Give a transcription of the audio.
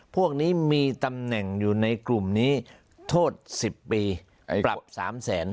พวกนี้มีตำแหน่งอยู่ในกลุ่มนี้โทษ๑๐ปีปรับ๓แสน